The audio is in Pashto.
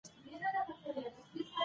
د ملالۍ اتلولي وستایه.